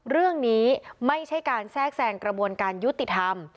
เรื่องนี้ไม่ใช่การแทรกแทรงกระบวนการยุติธรรม